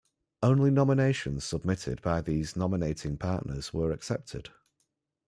Only nominations submitted by these nominating partners were accepted.